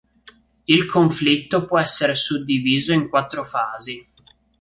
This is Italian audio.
Il conflitto può essere suddiviso in quattro fasi.